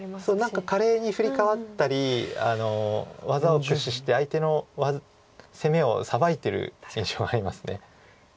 何か華麗にフリカワったり技を駆使して相手の攻めをサバいてる印象があります。